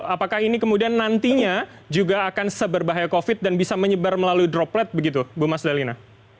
apakah ini kemudian nantinya juga akan seberbahaya covid dan bisa menyebar melalui droplet begitu bu mas dalina